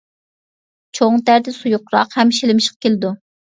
چوڭ تەرىتى سۇيۇقراق ھەم شىلىمشىق كېلىدۇ.